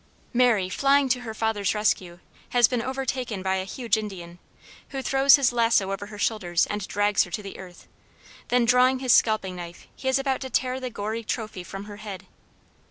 Mary, flying to her father's rescue, has been overtaken by a huge Indian, who throws his lasso over her shoulders and drags her to the earth, then drawing his scalping knife he is about to tear the gory trophy from her head.